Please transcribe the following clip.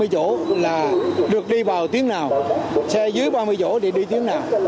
bốn mươi ba mươi chỗ là được đi vào tuyến nào xe dưới ba mươi chỗ thì đi tuyến nào